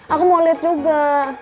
aku mau liat juga